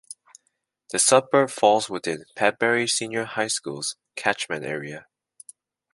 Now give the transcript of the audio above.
The suburb falls within Padbury Senior High School's catchment area.